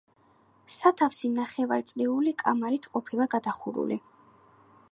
სათავსი ნახევარწრიული კამარით ყოფილა გადახურული.